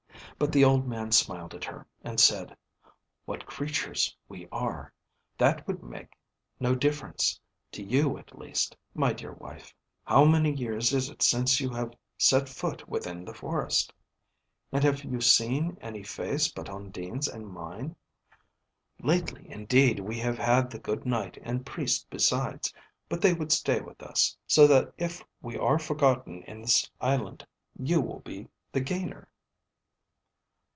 But the old man smiled at her, and said, "What creatures we are. That would make no difference, to you at least, my dear wife. How many years is it since you have set foot within the forest? And have you seen any face but Undine's and mine? Lately, indeed, we have had the good Knight and Priest besides. But they would stay with us; so that if we are forgotten in this island, you will be the gainer."